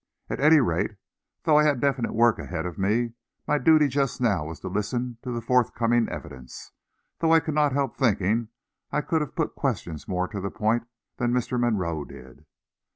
At any rate, though I had definite work ahead of me, my duty just now was to listen to the forthcoming evidence, though I could not help thinking I could have put questions more to the point than Mr. Monroe did.